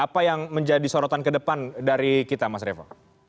apa yang menjadi sorotan kedepan dari kita mas revo